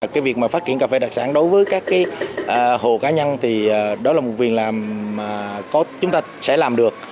cái việc mà phát triển cà phê đặc sản đối với các hồ cá nhân thì đó là một việc làm mà chúng ta sẽ làm được